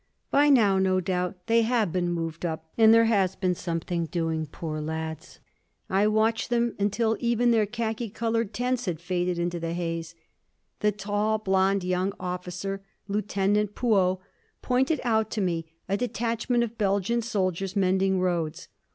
By now, no doubt, they have been moved up and there has been something doing. Poor lads! I watched them until even their khaki coloured tents had faded into the haze. The tall, blonde, young officer, Lieutenant Puaux, pointed out to me a detachment of Belgian soldiers mending roads.